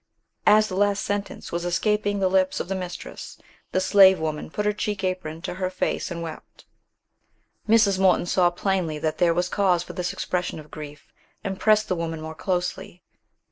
As the last sentence was escaping the lips of the mistress, the slave woman put her check apron to her face and wept. Mrs. Morton saw plainly that there was cause for this expression of grief, and pressed the woman more closely.